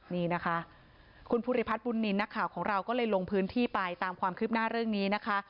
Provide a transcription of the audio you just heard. นี่นะคะคุณภูริพัฒน์บุญนินทร์นักข่าวของเราก็เลยลงพื้นที่ไปตามความคืบหน้าเรื่องนี้นะคะ